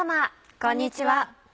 こんにちは。